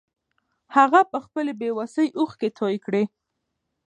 هغه په خپلې بې وسۍ اوښکې توې کړې.